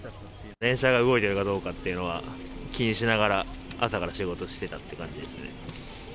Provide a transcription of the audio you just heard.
電車が動いてるかどうかっていうのは気にしながら、朝から仕事してたって感じですね。